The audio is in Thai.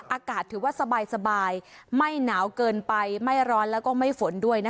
อากาศถือว่าสบายไม่หนาวเกินไปไม่ร้อนและไม่ฝน